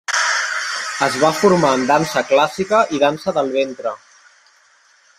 Es va formar en dansa clàssica i dansa del ventre.